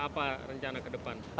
apa rencana kedepan